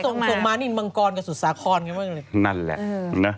เดี๋ยวก็ทรงมานินบังกรกับสุรสาคอนกันบ้างกันเลยนั่นแหละเนอะ